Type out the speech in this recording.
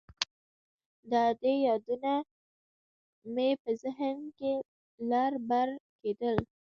د ادې يادونه مې په ذهن کښې لر بر کېدل.